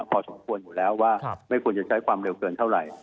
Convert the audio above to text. พอสมควรอยู่แล้วว่าไม่ควรจะใช้ความเร็วเกินเท่าไหร่